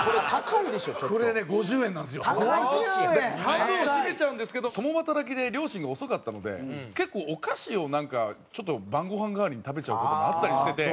半分を占めちゃうんですけど共働きで両親が遅かったので結構お菓子をなんかちょっと晩ごはん代わりに食べちゃう事もあったりしてて。